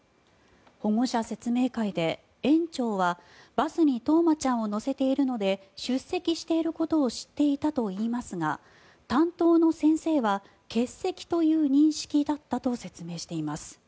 保護者説明会で園長は、バスに冬生ちゃんを乗せているので出席していることを知っていたといいますが担当の先生は欠席という認識だったと説明しています。